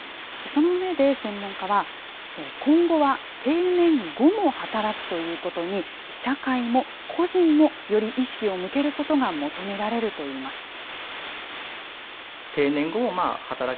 その上で専門家は、今後は定年後も働くということに、社会も個人も、より意識を向けることが求められるといいます。